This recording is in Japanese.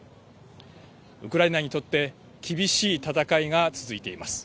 ウクライナにとって厳しい戦いが続いています。